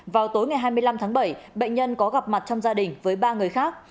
vào tối ngày hai mươi năm tháng bảy bệnh nhân có gặp mặt trong gia đình với ba người khác